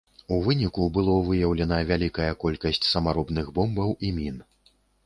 У выніку было выяўлена вялікая колькасць самаробных бомбаў і мін.